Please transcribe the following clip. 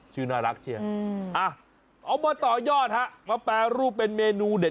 ชื่อน่ารักเชียวเอามาต่อยอดฮะมาแปรรูปเป็นเมนูเด็ด